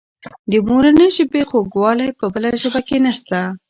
د مورنۍ ژبې خوږوالی په بله ژبه کې نسته.